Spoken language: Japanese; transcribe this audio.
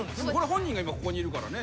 本人が今ここにいるからね。